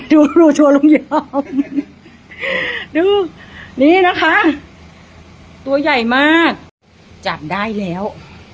ดูชัวร์ลงยอมดูนี่นะคะตัวใหญ่มากจับได้แล้ว